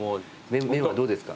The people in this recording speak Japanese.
麺はどうですか？